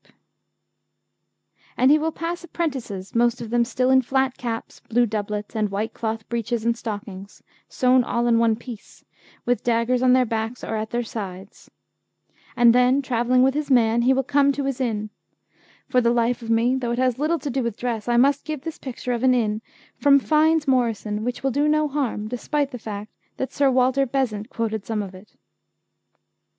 the bottom of a doublet; an alternative collar; shoe and stocking}] And he will pass apprentices, most of them still in flat caps, blue doublets, and white cloth breeches and stockings, sewn all in one piece, with daggers on their backs or at their sides. And then, travelling with his man, he will come to his inn. For the life of me, though it has little to do with dress, I must give this picture of an inn from Fynes Moryson, which will do no harm, despite the fact that Sir Walter Besant quoted some of it.